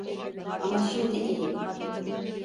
Ama şimdi iyi.